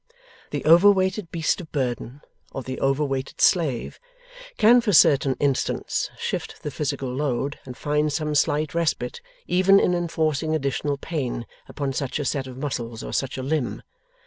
The overweighted beast of burden, or the overweighted slave, can for certain instants shift the physical load, and find some slight respite even in enforcing additional pain upon such a set of muscles or such a limb.